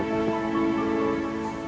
seperti kita tidak makan